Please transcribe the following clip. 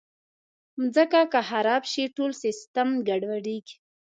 مځکه که خراب شي، ټول سیسټم ګډوډېږي.